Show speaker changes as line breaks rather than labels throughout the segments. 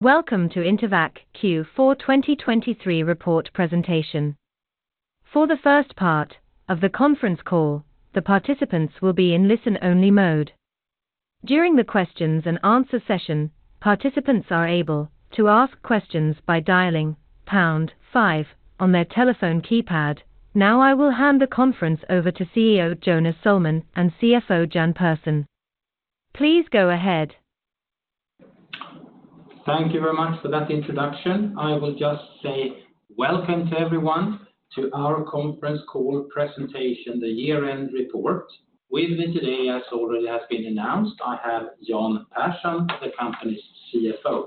Welcome to Intervacc Q4 2023 report presentation. For the first part of the conference call, the participants will be in listen-only mode. During the questions-and-answer session, participants are able to ask questions by dialing pound five on their telephone keypad. Now I will hand the conference over to CEO Jonas Sohlman and CFO Jan Persson. Please go ahead.
Thank you very much for that introduction. I will just say welcome to everyone to our conference call presentation, the year-end report. With me today, as already has been announced, I have Jan Persson, the company's CFO.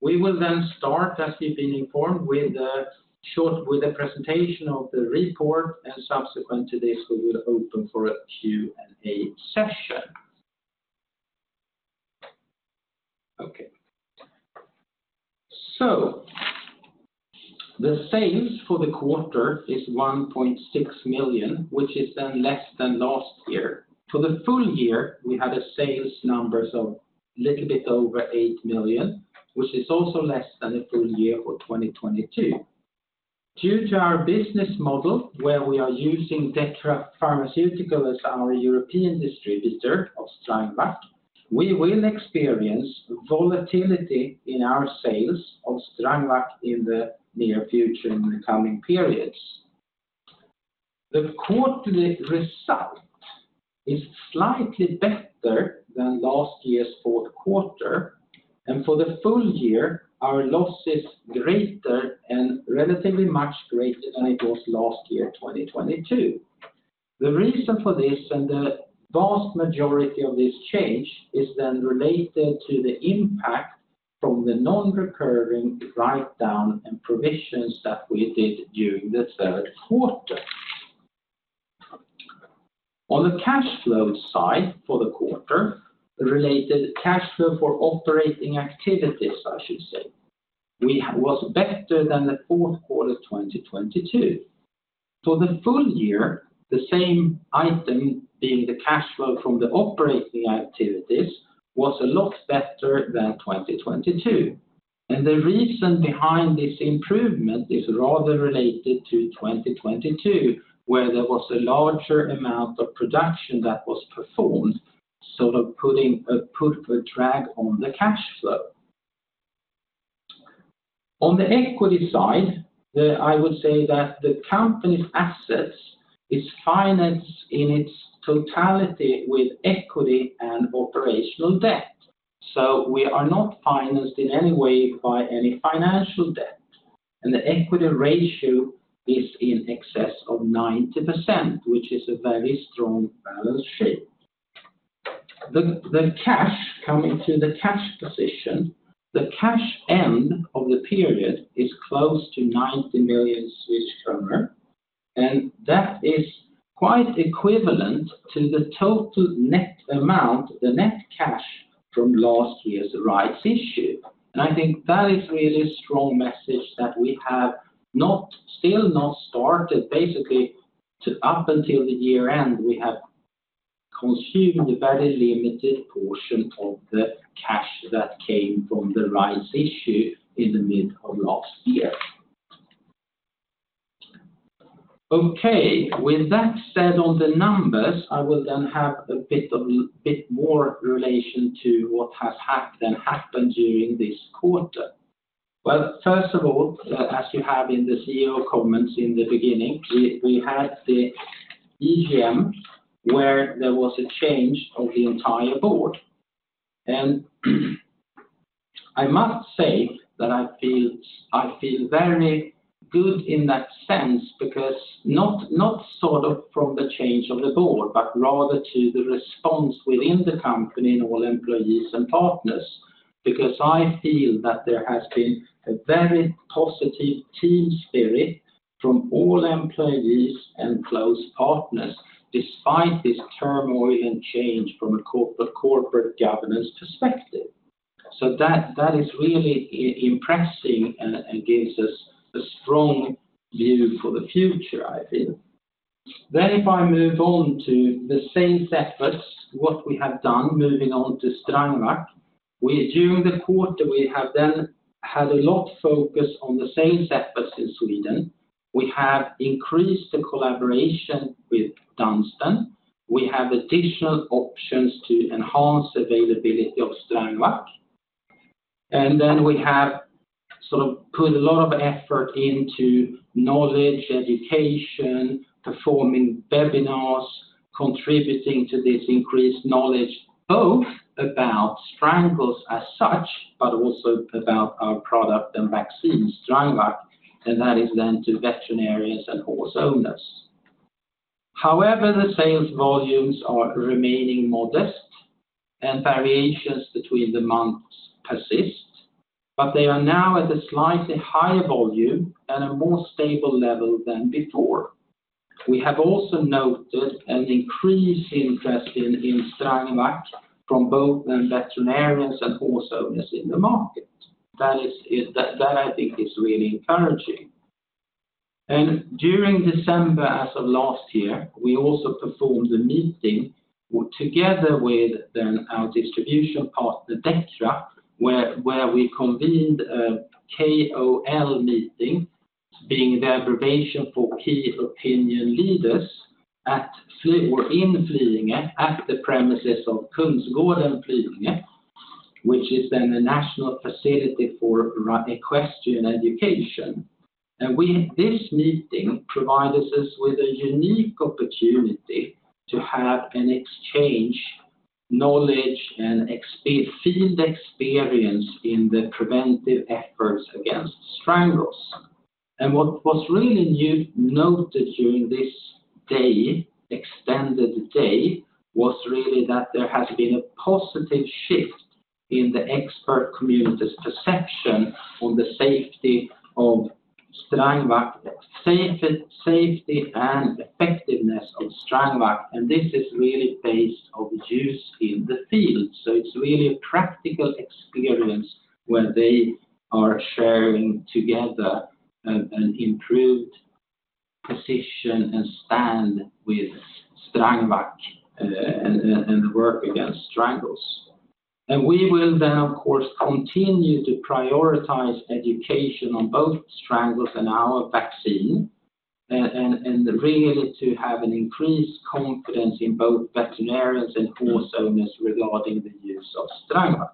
We will then start, as you've been informed, with a presentation of the report, and subsequent to this we will open for a Q&A session. Okay. So the sales for the quarter is 1.6 million, which is then less than last year. For the full year, we had a sales numbers of a little bit over 8 million, which is also less than the full year for 2022. Due to our business model, where we are using Dechra Pharmaceuticals as our European distributor of Strangvac, we will experience volatility in our sales of Strangvac in the near future, in the coming periods. The quarterly result is slightly better than last year's fourth quarter, and for the full year, our loss is greater and relatively much greater than it was last year, 2022. The reason for this and the vast majority of this change is then related to the impact from the non-recurring write-down and provisions that we did during the third quarter. On the cash flow side for the quarter, related cash flow for operating activities, I should say, was better than the fourth quarter 2022. For the full year, the same item, being the cash flow from the operating activities, was a lot better than 2022. The reason behind this improvement is rather related to 2022, where there was a larger amount of production that was performed, sort of putting a drag on the cash flow. On the equity side, I would say that the company's assets is financed in its totality with equity and operational debt. So we are not financed in any way by any financial debt, and the equity ratio is in excess of 90%, which is a very strong balance sheet. The cash coming to the cash position, the cash end of the period is close to 90 million kronor, and that is quite equivalent to the total net amount, the net cash from last year's rights issue. And I think that is really a strong message that we have not still not started, basically, up until the year-end, we have consumed a very limited portion of the cash that came from the rights issue in the mid of last year. Okay. With that said, on the numbers, I will then have a bit more relation to what has happened during this quarter. Well, first of all, as you have in the CEO comments in the beginning, we had the EGM where there was a change of the entire board. And I must say that I feel very good in that sense because not sort of from the change of the board, but rather to the response within the company and all employees and partners. Because I feel that there has been a very positive team spirit from all employees and close partners, despite this turmoil and change from a corporate governance perspective. So that is really impressing and gives us a strong view for the future, I feel. Then, if I move on to the sales efforts, what we have done, moving on to Strangvac, during the quarter we have then had a lot of focus on the sales efforts in Sweden. We have increased the collaboration with Dunstan. We have additional options to enhance the availability of Strangvac. And then we have sort of put a lot of effort into knowledge, education, performing webinars, contributing to this increased knowledge, both about Strangles as such, but also about our product and vaccines, Strangvac, and that is then to veterinarians and horse owners. However, the sales volumes are remaining modest, and variations between the months persist, but they are now at a slightly higher volume and a more stable level than before. We have also noted an increased interest in Strangvac from both veterinarians and horse owners in the market. That, I think, is really encouraging. During December, as of last year, we also performed a meeting together with our distribution partner, Dechra, where we convened a KOL meeting, being the abbreviation for Key Opinion Leaders, in Flyinge, at the premises of Kungsgården Flyinge, which is then a national facility for equestrian education. This meeting provided us with a unique opportunity to have an exchange, knowledge, and field experience in the preventive efforts against Strangles. What was really noted during this extended day was really that there has been a positive shift in the expert community's perception on the safety of Strangvac, safety and effectiveness of Strangvac, and this is really based on use in the field. It's really a practical experience where they are sharing together an improved position and stand with Strangvac and the work against Strangles. We will then, of course, continue to prioritize education on both Strangles and our vaccine, and really to have an increased confidence in both veterinarians and horse owners regarding the use of Strangvac.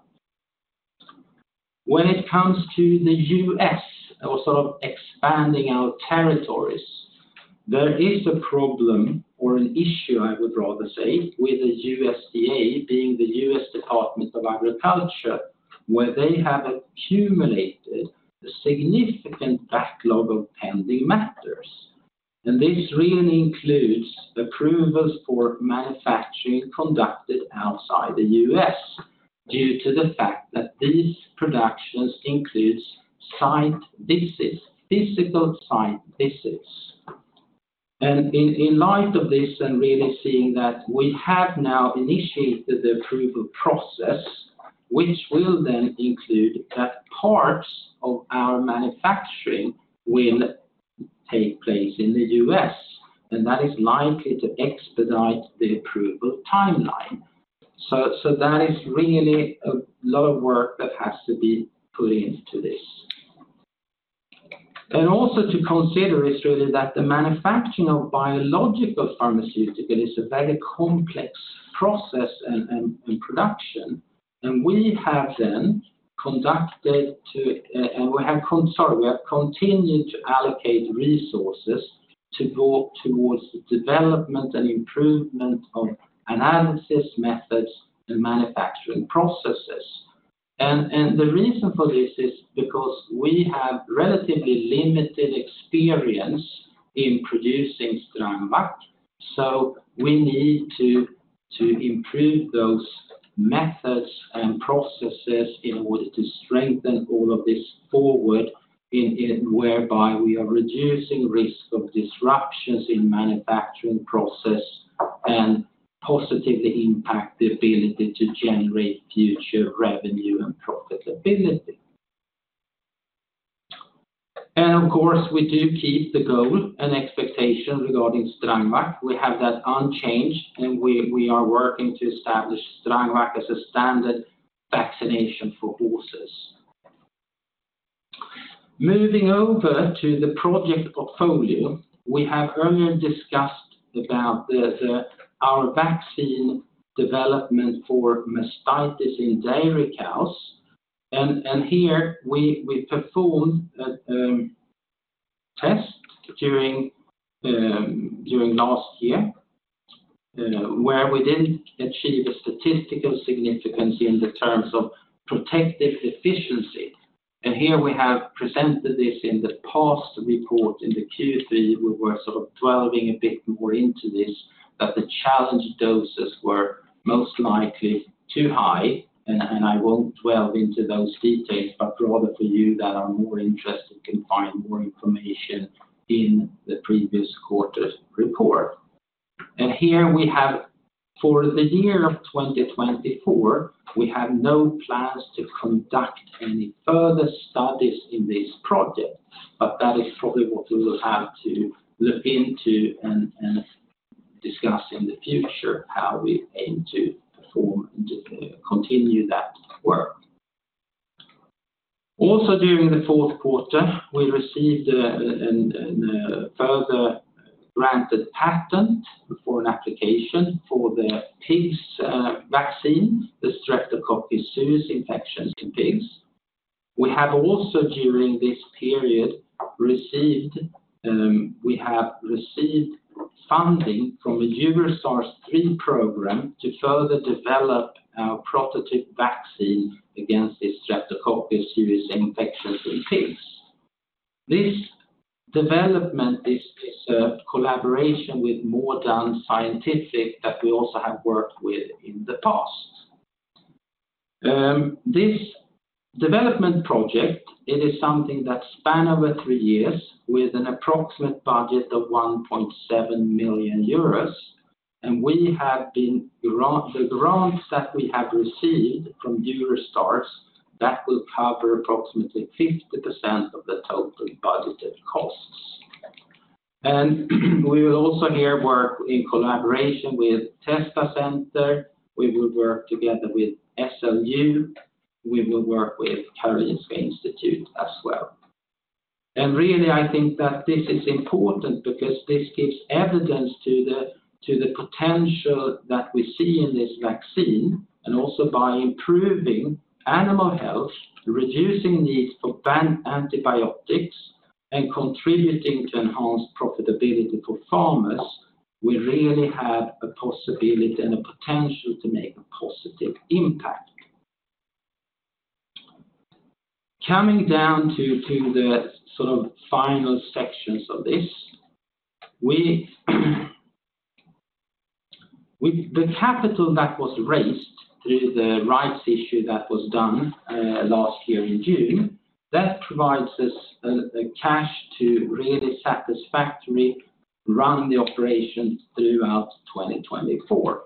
When it comes to the U.S. or sort of expanding our territories, there is a problem or an issue, I would rather say, with the USDA, being the United States Department of Agriculture, where they have accumulated a significant backlog of pending matters. This really includes approvals for manufacturing conducted outside the U.S. due to the fact that these productions include physical site visits. In light of this and really seeing that we have now initiated the approval process, which will then include that parts of our manufacturing will take place in the U.S., and that is likely to expedite the approval timeline. So that is really a lot of work that has to be put into this. Also to consider is really that the manufacturing of biopharmaceuticals is a very complex process and production, and we have then committed to and we have continued to allocate resources towards the development and improvement of analytical methods and manufacturing processes. The reason for this is because we have relatively limited experience in producing Strangvac, so we need to improve those methods and processes in order to strengthen all of this forward, whereby we are reducing risk of disruptions in manufacturing process and positively impact the ability to generate future revenue and profitability. Of course, we do keep the goal and expectation regarding Strangvac. We have that unchanged, and we are working to establish Strangvac as a standard vaccination for horses. Moving over to the project portfolio, we have earlier discussed about our vaccine development for mastitis in dairy cows. Here we performed a test during last year, where we didn't achieve a statistical significance in the terms of protective efficiency. Here we have presented this in the past report in the Q3. We were sort of delving a bit more into this, that the challenge doses were most likely too high, and I won't delve into those details, but rather for you that are more interested can find more information in the previous quarter's report. Here we have, for the year of 2024, we have no plans to conduct any further studies in this project, but that is probably what we will have to look into and discuss in the future, how we aim to perform and continue that work. Also during the fourth quarter, we received a further granted patent for an application for the pigs' vaccine, the Streptococcus suis infection to pigs. We have also during this period received funding from a Eurostars 3 program to further develop our prototype vaccine against the Streptococcus suis infection to pigs. This development is a collaboration with Moredun Scientific that we also have worked with in the past. This development project, it is something that spans over three years with an approximate budget of 1.7 million euros. The grants that we have received from Eurostars 3 will cover approximately 50% of the total budgeted costs. We will also here work in collaboration with Testa Center, we will work together with SLU, we will work with Karolinska Institutet as well. Really, I think that this is important because this gives evidence to the potential that we see in this vaccine, and also by improving animal health, reducing needs for antibiotics, and contributing to enhanced profitability for farmers, we really have a possibility and a potential to make a positive impact. Coming down to the sort of final sections of this, with the capital that was raised through the rights issue that was done last year in June, that provides us cash to really satisfactorily run the operations throughout 2024.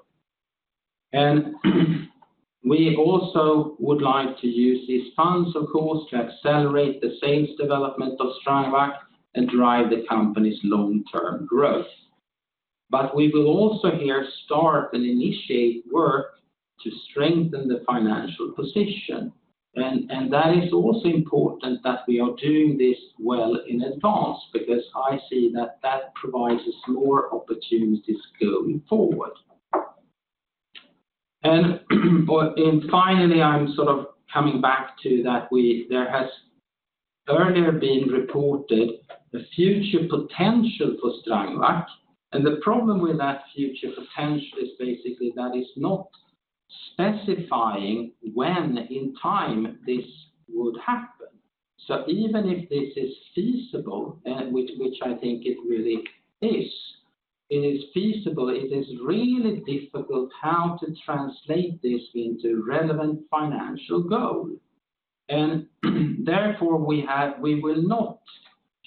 We also would like to use these funds, of course, to accelerate the sales development of Strangvac and drive the company's long-term growth. But we will also here start and initiate work to strengthen the financial position. That is also important that we are doing this well in advance because I see that that provides us more opportunities going forward. Finally, I'm sort of coming back to that there has earlier been reported a future potential for Strangvac, and the problem with that future potential is basically that it's not specifying when in time this would happen. So even if this is feasible, which I think it really is, it is feasible, it is really difficult how to translate this into a relevant financial goal. Therefore, we will not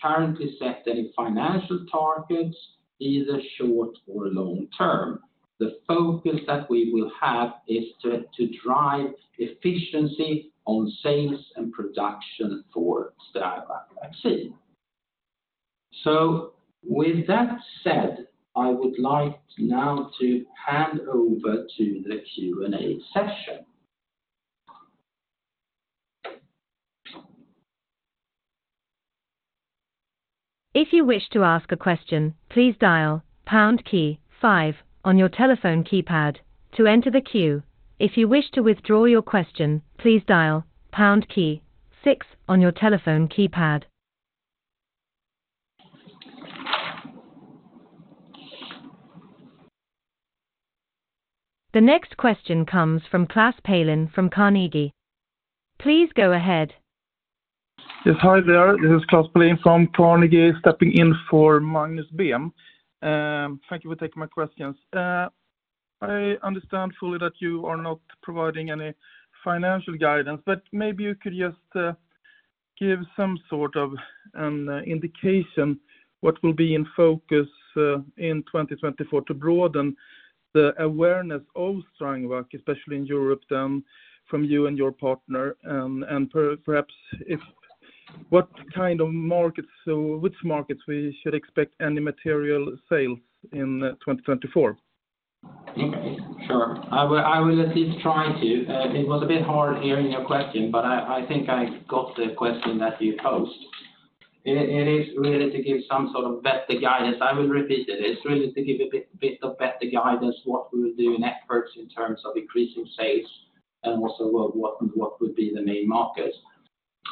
currently set any financial targets, either short or long term. The focus that we will have is to drive efficiency on sales and production for Strangvac vaccine. With that said, I would like now to hand over to the Q&A session.
If you wish to ask a question, please dial pound key five on your telephone keypad to enter the queue. If you wish to withdraw your question, please dial pound key six on your telephone keypad. The next question comes from Klas Palin from Carnegie. Please go ahead.
Yes, hi there. This is Klas Palin from Carnegie, stepping in for Magnus Behm. Thank you for taking my questions. I understand fully that you are not providing any financial guidance, but maybe you could just give some sort of an indication what will be in focus in 2024 to broaden the awareness of Strangvac, especially in Europe then, from you and your partner. Perhaps what kind of markets which markets we should expect any material sales in 2024?
Thank you. Sure. I will at least try to. It was a bit hard hearing your question, but I think I got the question that you posed. It is really to give some sort of better guidance. I will repeat it. It's really to give a bit of better guidance what we will do in efforts in terms of increasing sales and also what would be the main markets.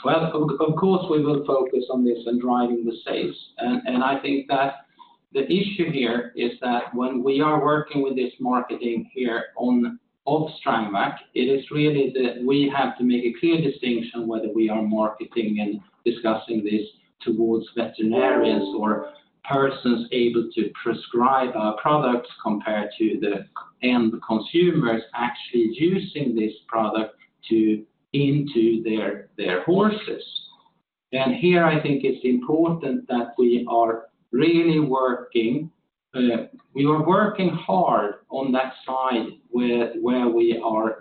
Well, of course, we will focus on this and driving the sales. And I think that the issue here is that when we are working with this marketing here of Strangvac, it is really that we have to make a clear distinction whether we are marketing and discussing this towards veterinarians or persons able to prescribe our products compared to the end consumers actually using this product into their horses. Here I think it's important that we are really working we are working hard on that side where we are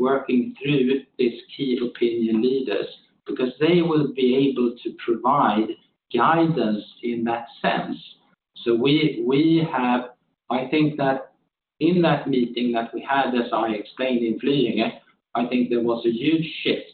working through these key opinion leaders because they will be able to provide guidance in that sense. So I think that in that meeting that we had, as I explained in Flyinge, I think there was a huge shift.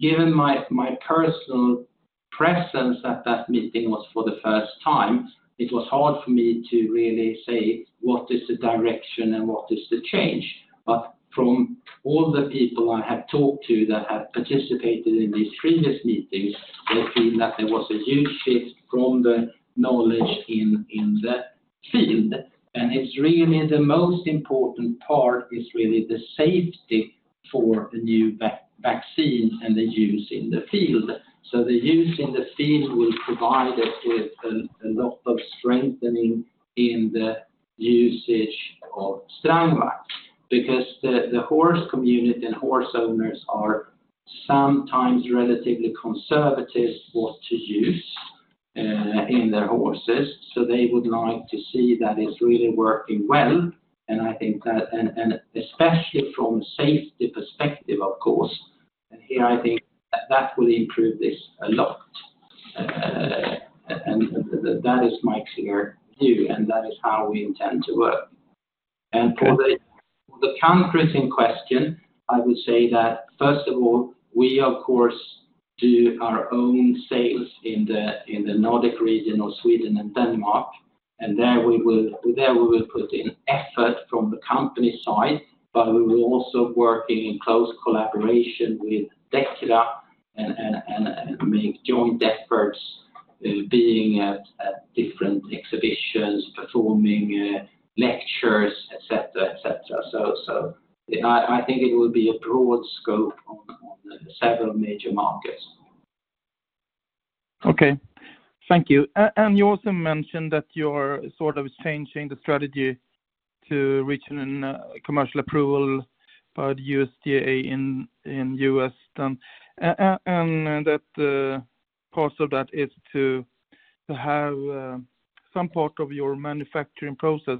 Given my personal presence at that meeting was for the first time, it was hard for me to really say what is the direction and what is the change. But from all the people I have talked to that have participated in these previous meetings, they feel that there was a huge shift from the knowledge in the field. And it's really the most important part is really the safety for the new vaccines and the use in the field. So the use in the field will provide us with a lot of strengthening in the usage of Strangvac because the horse community and horse owners are sometimes relatively conservative what to use in their horses. So they would like to see that it's really working well, and I think that especially from a safety perspective, of course. And here I think that will improve this a lot. And that is my clear view, and that is how we intend to work. And for the concrete in question, I would say that first of all, we, of course, do our own sales in the Nordic region of Sweden and Denmark. And there we will put in effort from the company side, but we will also work in close collaboration with Dechra and make joint efforts, being at different exhibitions, performing lectures, etc., etc. I think it will be a broad scope on several major markets.
Okay. Thank you. And you also mentioned that you're sort of changing the strategy to reaching commercial approval by the USDA in the U.S., and that part of that is to have some part of your manufacturing process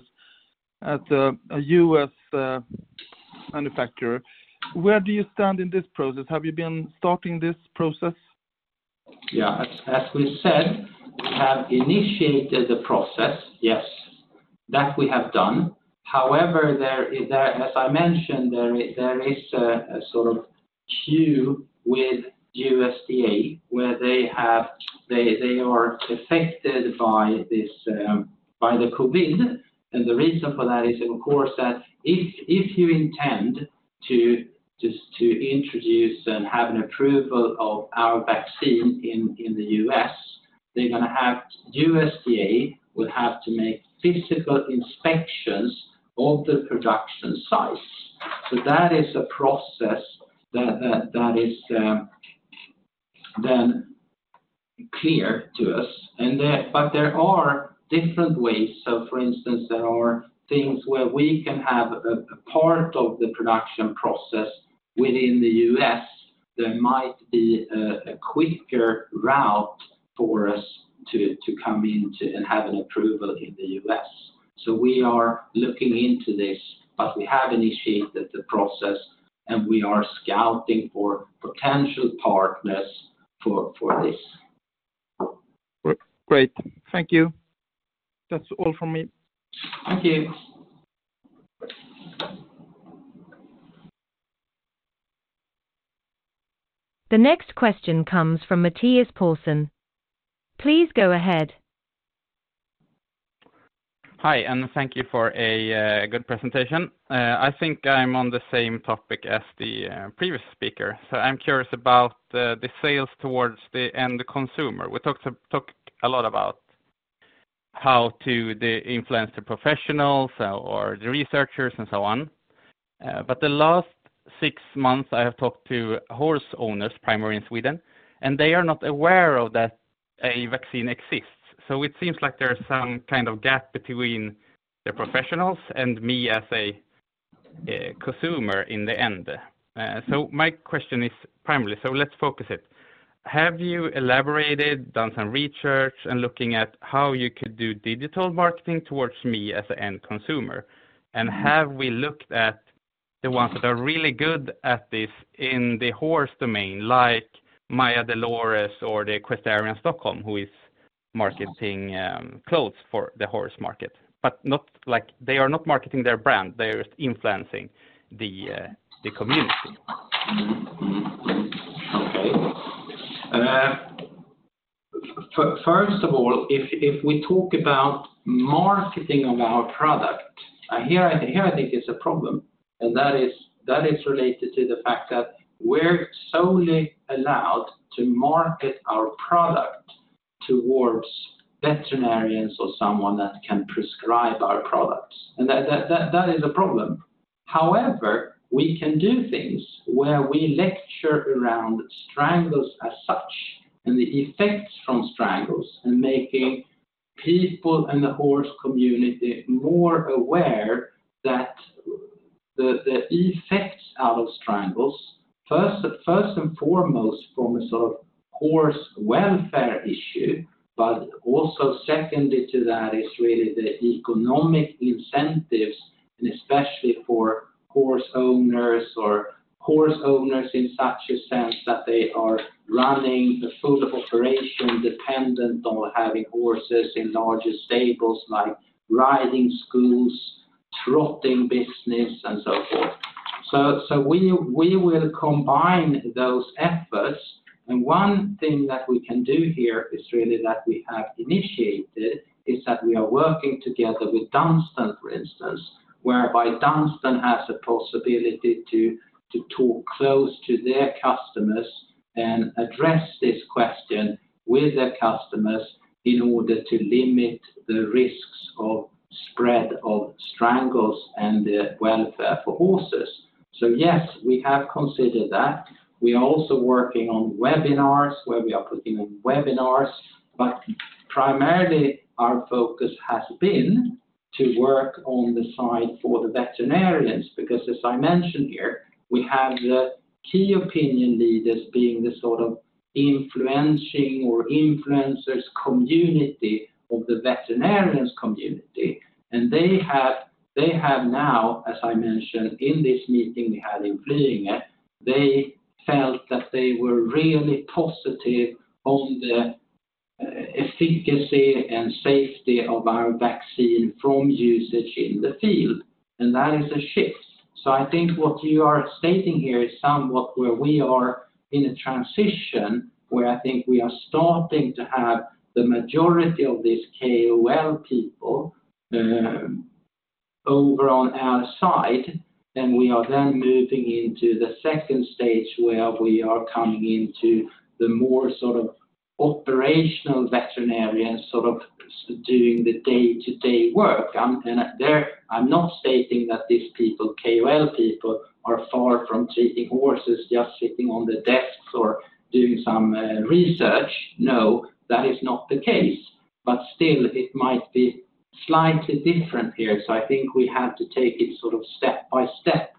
at a U.S. manufacturer. Where do you stand in this process? Have you been starting this process?
Yeah. As we said, we have initiated the process, yes. That we have done. However, as I mentioned, there is a sort of queue with USDA where they are affected by the COVID. And the reason for that is, of course, that if you intend to introduce and have an approval of our vaccine in the U.S., they're going to have USDA will have to make physical inspections of the production site. So that is a process that is then clear to us. But there are different ways. So for instance, there are things where we can have a part of the production process within the U.S. There might be a quicker route for us to come into and have an approval in the U.S. So we are looking into this, but we have initiated the process, and we are scouting for potential partners for this.
Great. Thank you. That's all from me.
Thank you.
The next question comes from Mathias Paulsen. Please go ahead.
Hi, and thank you for a good presentation. I think I'm on the same topic as the previous speaker. So I'm curious about the sales towards the end consumer. We talked a lot about how to influence the professionals or the researchers and so on. But the last six months, I have talked to horse owners, primarily in Sweden, and they are not aware that a vaccine exists. So it seems like there's some kind of gap between the professionals and me as a consumer in the end. So my question is primarily, so let's focus it. Have you elaborated, done some research, and looking at how you could do digital marketing towards me as an end consumer? And have we looked at the ones that are really good at this in the horse domain, like Maya Delorez or the Equestrian Stockholm, who is marketing clothes for the horse market? But they are not marketing their brand. They are just influencing the community.
Okay. First of all, if we talk about marketing of our product, here I think there's a problem, and that is related to the fact that we're solely allowed to market our product towards veterinarians or someone that can prescribe our products. That is a problem. However, we can do things where we lecture around Strangles as such and the effects from Strangles and making people and the horse community more aware that the effects out of Strangles, first and foremost, from a sort of horse welfare issue, but also secondary to that is really the economic incentives, and especially for horse owners or horse owners in such a sense that they are running a full operation dependent on having horses in larger stables like riding schools, trotting business, and so forth. We will combine those efforts. One thing that we can do here is really that we have initiated is that we are working together with Dechra, for instance, whereby Dechra has a possibility to talk close to their customers and address this question with their customers in order to limit the risks of spread of strangles and the welfare for horses. So yes, we have considered that. We are also working on webinars where we are putting on webinars, but primarily our focus has been to work on the side for the veterinarians because, as I mentioned here, we have the key opinion leaders being the sort of influencing or influencers community of the veterinarians community. They have now, as I mentioned in this meeting we had in Flyinge, they felt that they were really positive on the efficacy and safety of our vaccine from usage in the field. That is a shift. So I think what you are stating here is somewhat where we are in a transition where I think we are starting to have the majority of these KOL people over on our side, and we are then moving into the second stage where we are coming into the more sort of operational veterinarians sort of doing the day-to-day work. I'm not stating that these people, KOL people, are far from treating horses, just sitting on the desks or doing some research. No, that is not the case. But still, it might be slightly different here. So I think we have to take it sort of step by step.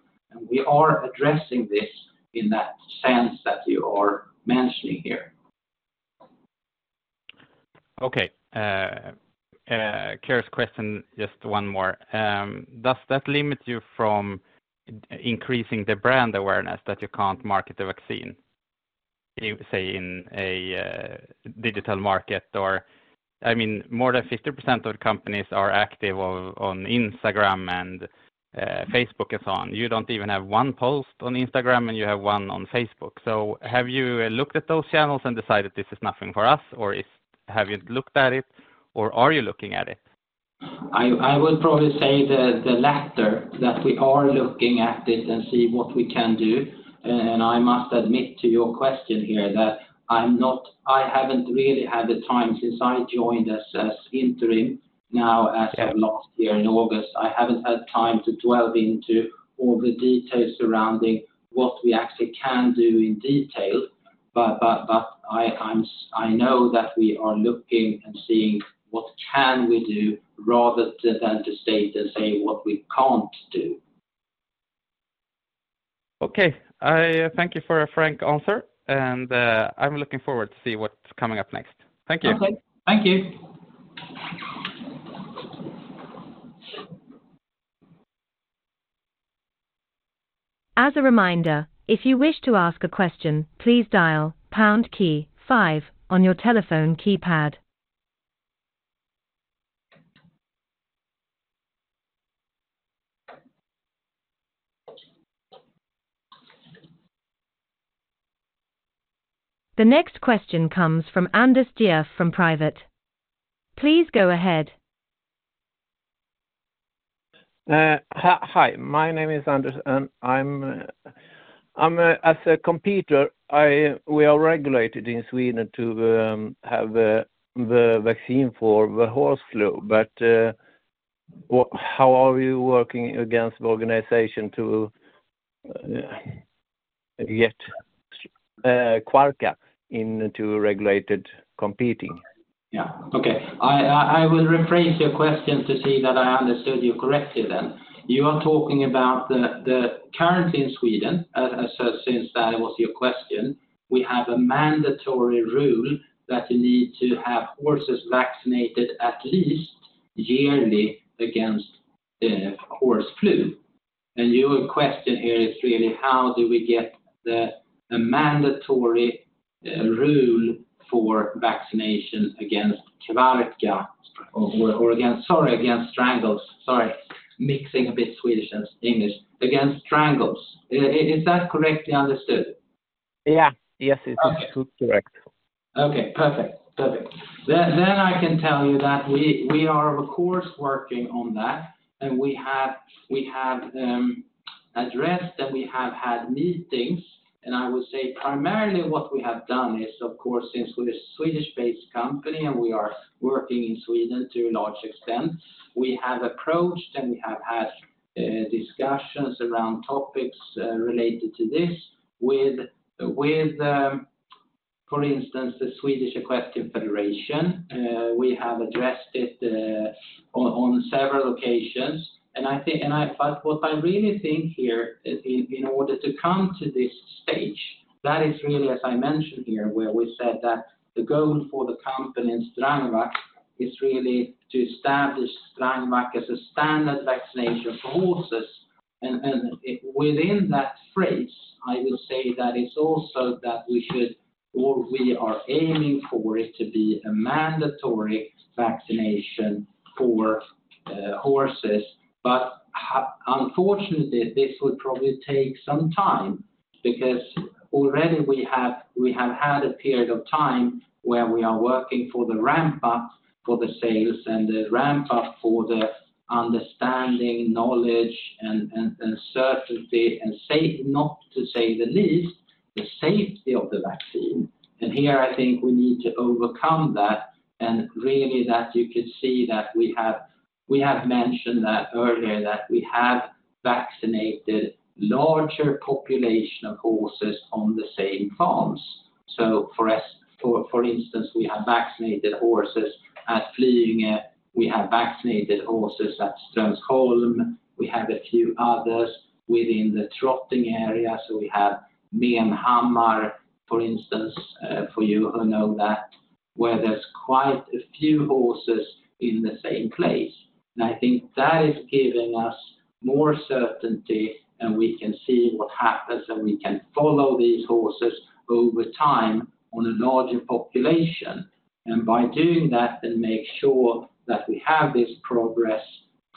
We are addressing this in that sense that you are mentioning here.
Okay. Klas's question, just one more. Does that limit you from increasing the brand awareness that you can't market the vaccine, say, in a digital market? I mean, more than 50% of the companies are active on Instagram and Facebook and so on. You don't even have one post on Instagram, and you have one on Facebook. So have you looked at those channels and decided this is nothing for us, or have you looked at it, or are you looking at it?
I would probably say the latter, that we are looking at it and see what we can do. I must admit to your question here that I haven't really had the time since I joined as interim now as of last year in August. I haven't had time to delve into all the details surrounding what we actually can do in detail. I know that we are looking and seeing what can we do rather than to state and say what we can't do.
Okay. Thank you for a frank answer. And I'm looking forward to seeing what's coming up next. Thank you.
Okay. Thank you.
As a reminder, if you wish to ask a question, please dial pound key five on your telephone keypad. The next question comes from [Anders Dierff] from private. Please go ahead.
Hi. My name is Anders. And as a competitor, we are regulated in Sweden to have the vaccine for horse flu. But how are you working against the organization to get Kvarka into regulated competing?
Yeah. Okay. I will rephrase your question to see that I understood you correctly then. You are talking about the currently in Sweden, as I said since that was your question, we have a mandatory rule that you need to have horses vaccinated at least yearly against horse flu. And your question here is really how do we get a mandatory rule for vaccination against kvarka or against, sorry, against strangles. Sorry, mixing a bit Swedish and English. Against strangles. Is that correctly understood?
Yeah. Yes, it's correct.
Okay. Perfect. Perfect. Then I can tell you that we are, of course, working on that, and we have addressed and we have had meetings. And I would say primarily what we have done is, of course, since we're a Swedish-based company and we are working in Sweden to a large extent, we have approached and we have had discussions around topics related to this with, for instance, the Swedish Equestrian Federation. We have addressed it on several occasions. And what I really think here in order to come to this stage, that is really, as I mentioned here, where we said that the goal for the company in Strangvac is really to establish Strangvac as a standard vaccination for horses. And within that phrase, I would say that it's also that we should or we are aiming for it to be a mandatory vaccination for horses. But unfortunately, this will probably take some time because already we have had a period of time where we are working for the ramp-up for the sales and the ramp-up for the understanding, knowledge, and certainty, and not to say the least, the safety of the vaccine. And here I think we need to overcome that and really that you could see that we have mentioned that earlier that we have vaccinated a larger population of horses on the same farms. So for instance, we have vaccinated horses at Flyinge. We have vaccinated horses at Strömsholm. We have a few others within the trotting area. So we have Menhammar, for instance, for you who know that, where there's quite a few horses in the same place. I think that is giving us more certainty, and we can see what happens, and we can follow these horses over time on a larger population. By doing that and make sure that we have this progress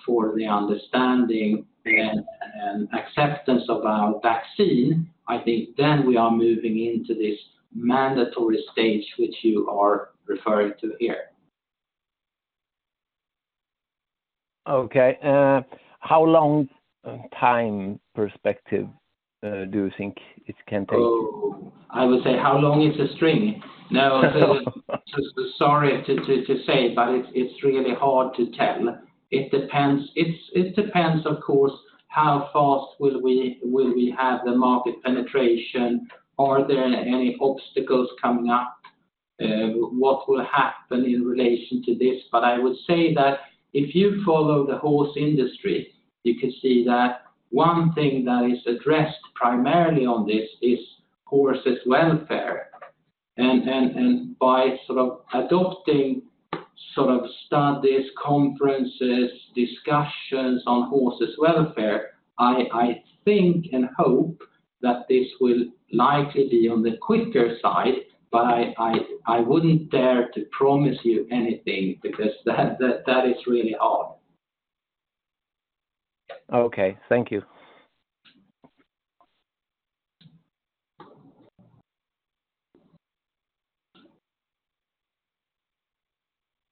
for the understanding and acceptance of our vaccine, I think then we are moving into this mandatory stage, which you are referring to here.
Okay. How long time perspective do you think it can take?
Oh, I would say how long is a string? No, sorry to say, but it's really hard to tell. It depends, of course, how fast will we have the market penetration? Are there any obstacles coming up? What will happen in relation to this? But I would say that if you follow the horse industry, you could see that one thing that is addressed primarily on this is horses' welfare. And by sort of adopting sort of studies, conferences, discussions on horses' welfare, I think and hope that this will likely be on the quicker side, but I wouldn't dare to promise you anything because that is really hard.
Okay. Thank you.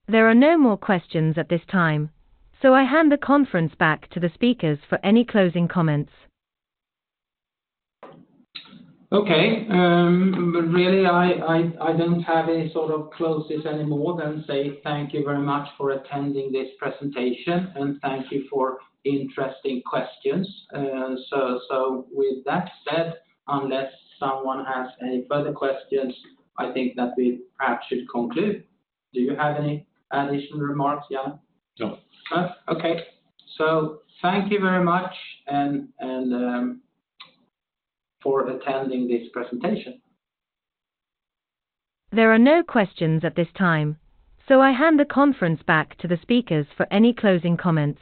There are no more questions at this time, so I hand the conference back to the speakers for any closing comments.
Okay. Really, I don't have any sort of closes anymore than say thank you very much for attending this presentation, and thank you for interesting questions. With that said, unless someone has any further questions, I think that we perhaps should conclude. Do you have any additional remarks, Jan?
No.
Okay. So thank you very much for attending this presentation.
There are no questions at this time, so I hand the conference back to the speakers for any closing comments.